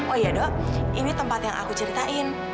oh iya dok ini tempat yang aku ceritain